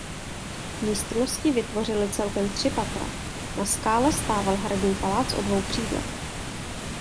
Místnosti vytvořily celkem tři patra.. Na skále stával hradní palác o dvou křídlech.